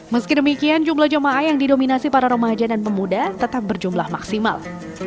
meski demikian jumlah jemaah yang didominasi para remaja dan pemuda tetap berjumlah maksimal